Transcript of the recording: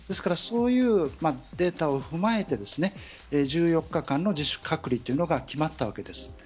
そういうデータを踏まえて１４日間の自主隔離というのが決まったわけです。